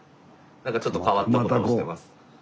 なんかちょっと変わったことしてます。